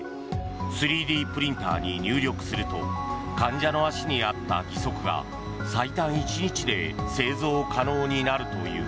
３Ｄプリンターに入力すると患者の足に合った義足が最短１日で製造可能になるという。